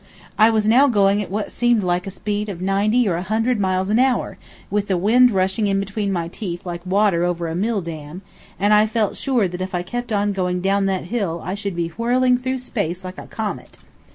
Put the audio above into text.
I was now going at what seemed like a speed of ninety or a hundred miles an hour, with the wind rushing in between my teeth like water over a mill dam, and I felt sure that if I kept on going down that hill I should soon be whirling through space like a comet.